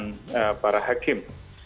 dari para hakim